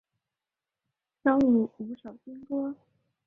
收录五首新歌。